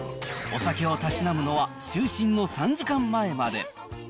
お酒をたしなむのは、就寝の３時間前まで。